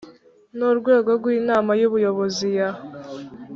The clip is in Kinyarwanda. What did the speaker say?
n urwego rw inama y ubuyobozi ya